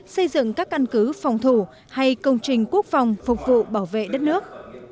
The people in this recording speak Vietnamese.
xây dựng các căn cứ phòng thủ hay công trình quốc phòng phục vụ bảo vệ đất nước